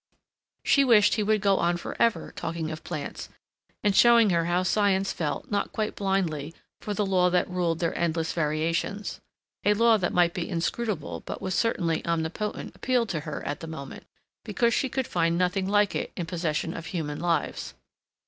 She wished he would go on for ever talking of plants, and showing her how science felt not quite blindly for the law that ruled their endless variations. A law that might be inscrutable but was certainly omnipotent appealed to her at the moment, because she could find nothing like it in possession of human lives.